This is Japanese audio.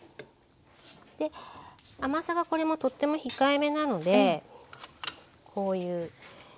甘さがこれもとっても控えめなのでこういう。